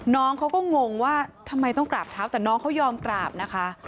น้องเขาก็งงว่าทำไมต้องกราบเท้าแต่น้องเขายอมกราบนะคะ